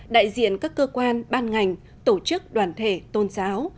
đại diện các cơ quan ban ngành tổ chức đoàn thể tôn giáo